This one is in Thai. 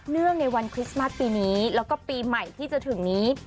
ในวันคริสต์มัสปีนี้แล้วก็ปีใหม่ที่จะถึงนี้